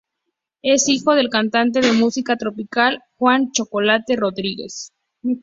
Es hijo del cantante de música tropical Juan "Chocolate" Rodríguez.